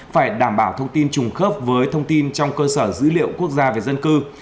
phải đảm bảo thông tin trùng khớp với thông tin trong cơ sở dữ liệu quốc gia về dân cư